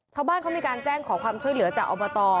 ชาวบ้านเขามีการแจ้งขอความช่วยเหลือจากอบต